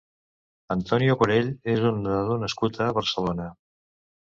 Antonio Corell és un nedador nascut a Barcelona.